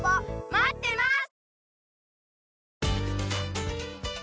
待ってます！